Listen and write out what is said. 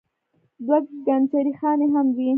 دوه کنجرې خانې هم وې.